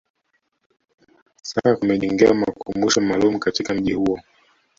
sasa kumejengewa makumbusho maalum katika mji huo